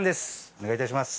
お願いします。